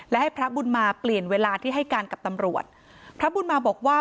และให้พระบุญมาเปลี่ยนเวลาที่ให้การกับตำรวจพระบุญมาบอกว่า